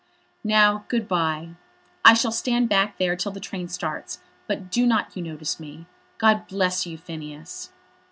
"Now, good bye. I shall stand back there till the train starts, but do not you notice me. God bless you, Phineas."